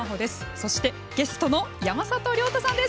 そしてゲストの山里亮太さんです。